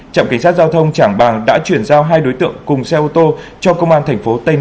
trạm cảnh sát giao thông trảng bàng đã chuyển giao hai đối tượng cùng xe ô tô cho công an tp tây ninh để điều tra làm rõ